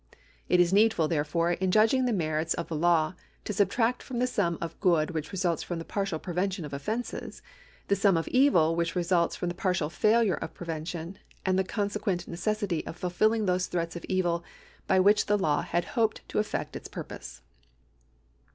It is needful, therefore, in judging the merits of the law, to subtract from the sum of good which results from the partial prevention of offences, the sum of evil which results from the partial failure of ^^revention and the conse quent necessity of fulfilling those threats of evil by which the law had hoped to effect its purpose.